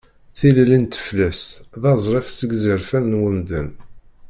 Tilelli n teflest d azref seg izerfan n wemdan.